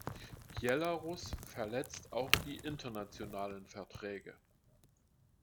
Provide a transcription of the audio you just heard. Belarus verletzt auch die internationalen Verträge.